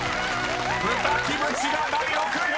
［「豚キムチ」が第６位］